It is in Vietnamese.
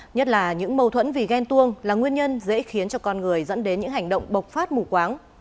nhất là những mâu thuẫn vì ghen tuông là nguyên nhân dễ khiến cho con người dẫn đến những hành động bộc phát mù quáng